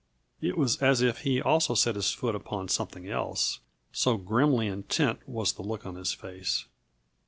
It was as if he also set his foot upon something else, so grimly intent was the look on his face.